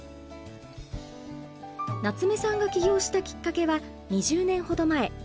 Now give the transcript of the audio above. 夏目さんが起業したきっかけは２０年ほど前。